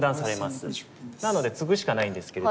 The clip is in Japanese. なのでツグしかないんですけれども。